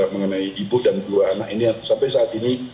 mengenai ibu dan dua anak ini yang sampai saat ini